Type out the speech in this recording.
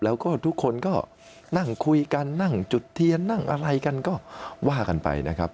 แล้วก็ทุกคนก็นั่งคุยกันนั่งจุดเทียนนั่งอะไรกันก็ว่ากันไปนะครับ